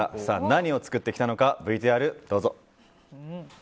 何を作ってきたのかＶＴＲ、どうぞ。